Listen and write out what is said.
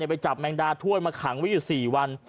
ไปจับแมงดาถ้วยมาขังไว้อยู่๔วัน